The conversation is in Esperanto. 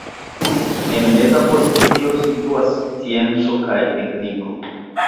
En meza pozicio situas scienco kaj tekniko.